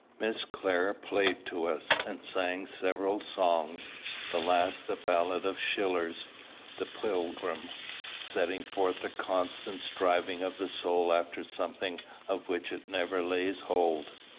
Miss Clare played to us, and sang several songs, the last a ballad of Schiller's, "The Pilgrim," setting forth the constant striving of the soul after something of which it never lays hold.